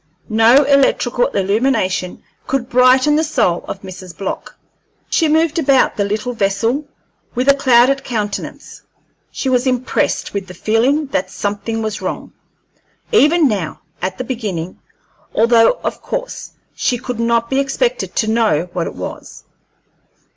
No electrical illumination could brighten the soul of Mrs. Block. She moved about the little vessel with a clouded countenance. She was impressed with the feeling that something was wrong, even now at the beginning, although of course she could not be expected to know what it was.